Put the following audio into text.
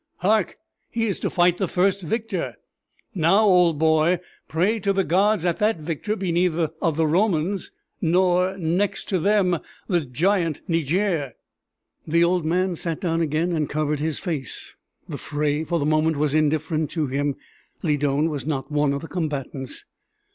Hark! he is to fight the first victor. Now, old boy, pray the gods that that victor be neither of the Romans! nor, next to them, the giant Niger." The old man sat down again and covered his face. The fray for the moment was indifferent to him Lydon was not one of the combatants.